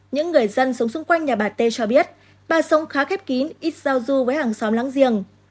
những người dân sống xung quanh nhà bà tê cho biết bà sống khá khép kín ít giao du với hàng xóm láng giềng